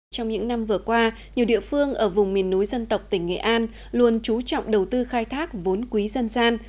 trong những năm vừa qua nhiều địa phương ở vùng miền núi dân tộc tỉnh nghệ an luôn trú trọng đầu tư khai thác vốn quý dân gian